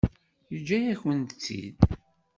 Yeǧǧa-yakent-tt-id.